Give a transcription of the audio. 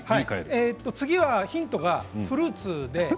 次はヒントは、フルーツです。